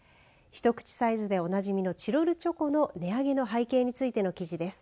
ひと口サイズでおなじみのチロルチョコの値上げの背景についての記事です。